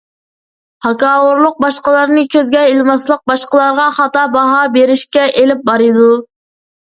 ھاكاۋۇرلۇق، باشقىلارنى كۆزگە ئىلماسلىق باشقىلارغا خاتا باھا بېرىشكە ئېلىپ بارىدۇ.